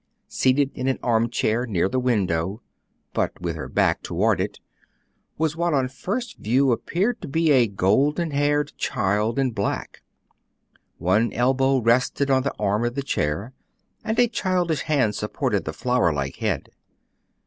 Seated in an armchair near the window, but with her back toward it, was what on first view appeared to be a golden haired child in black; one elbow rested on the arm of the chair, and a childish hand supported the flower like head.